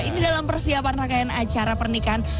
ini dalam persiapan rangkaian acara pernikahan